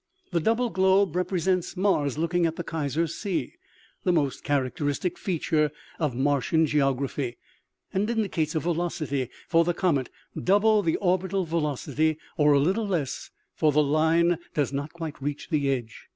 The double globe represents Mars looking at the Kaiser sea, the most characteristic feature of Martian geography, and indicates a velocity for the comet double the orbital velocity, or a little less, for the line does not quite reach the edge.